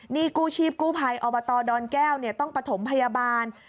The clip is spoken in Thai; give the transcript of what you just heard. นี่กู้ชีพกู้ภัยอบตดอนแก้วต้องประถมพยาบาล